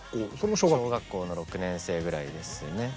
小学校の６年生ぐらいですね。